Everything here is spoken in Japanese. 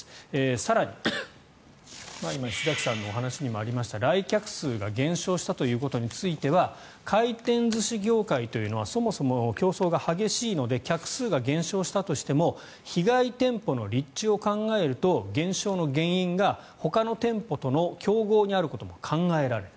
更に、今石崎さんのお話にもありましたが来客数が減少したということについては回転寿司業界というのはそもそも競争が激しいので客数が減少したとしても被害店舗の立地を考えると減少の原因がほかの店舗との競合にあることも考えられる。